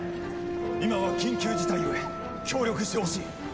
今は緊急事態ゆえ協力してほしい。